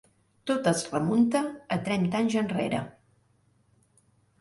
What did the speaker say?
Tot es remunta a trenta anys enrere.